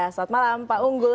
selamat malam pak unggul